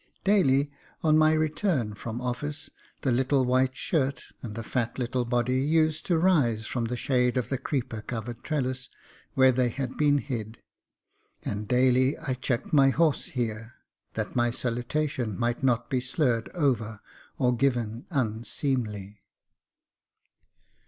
Daily on my return from office, the little white shirt and the fat little body used to rise from the shade of the creeper covered trellis where they had been hid; and daily I checked my horse here, that my salutation might not be slurred over or given unseemly.